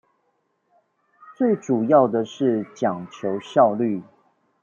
最主要的是講求效率